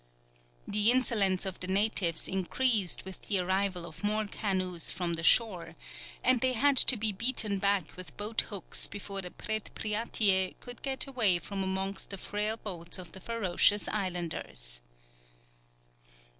The insolence of the natives increased with the arrival of more canoes from the shore, and they had to be beaten back with boathooks before the Predpriatie could get away from amongst the frail boats of the ferocious islanders.